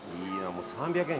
もう３００円。